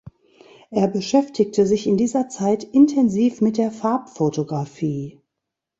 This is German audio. Er beschäftigte sich in dieser Zeit intensiv mit der Farbfotografie.